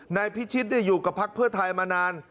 นายพิชิตอยู่กับพักเพื่อไทยมานาน